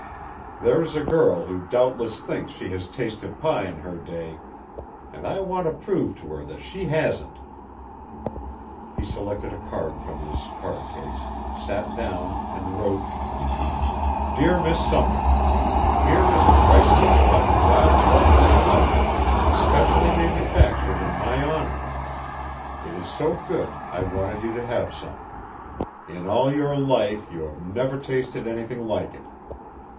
There's a girl who doubtless thinks she has tasted pie in her day, and I want to prove to her that she hasn't." He selected a card from his card case, sat down, and wrote: Dear Miss Sumner: Here is a priceless hot wild blackberry pie, especially manufactured in my honour. It is so good I wanted you to have some. In all your life you have never tasted anything like it.